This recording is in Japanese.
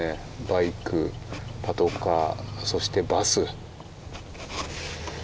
バイク、パトカー、そしてバス。